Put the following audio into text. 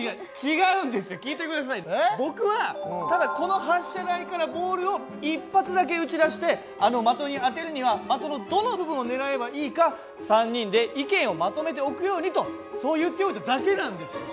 僕はただこの発射台からボールを一発だけ撃ち出してあの的に当てるには的のどの部分をねらえばいいか３人で意見をまとめておくようにとそう言っておいただけなんですよ。